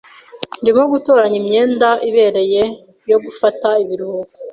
Ndimo gutoranya imyenda ibereye yo gufata ibiruhuko.